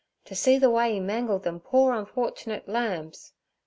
ter see ther way 'e mangled them poor unfort'nit lambs.